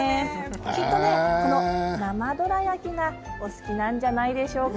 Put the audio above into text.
きっとね、この生どら焼きがお好きなんじゃないでしょうか？